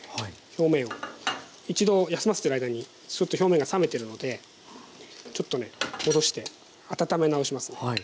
表面を一度休ませてる間にちょっと表面が冷めてるのでちょっとね戻して温め直しますね。